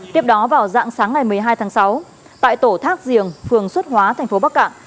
tiếp đó vào dạng sáng ngày một mươi hai tháng sáu tại tổ thác giềng phường xuất hóa thành phố bắc cạn